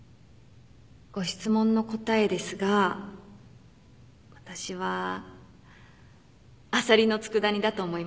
ご質問の答えですが私はアサリのつくだ煮だと思います